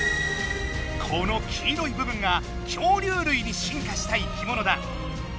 この黄色い部分が恐竜類に進化した生きものだ。